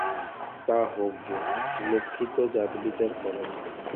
তা হোক গে, লক্ষ্মী তো জাতবিচার করেন না।